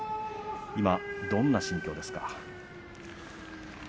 今どんな心境ですか。